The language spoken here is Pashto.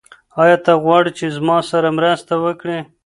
آیا ته غواړې چې زما سره مرسته وکړې؟